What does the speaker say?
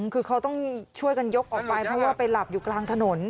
คือเขาต้องช่วยกันยกออกไปเพราะว่าไปหลับอยู่กลางถนน